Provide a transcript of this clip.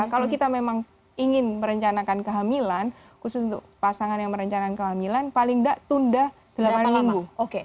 kalau kita memang ingin merencanakan kehamilan khusus untuk pasangan yang merencanakan kehamilan paling tidak tunda delapan minggu